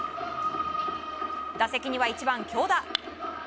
打席には１番、京田。